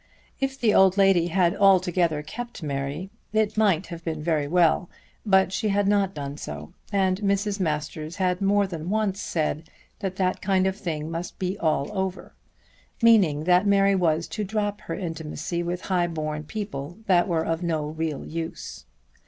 If the old lady had altogether kept Mary it might have been very well; but she had not done so and Mrs. Masters had more than once said that that kind of thing must be all over; meaning that Mary was to drop her intimacy with high born people that were of no real use.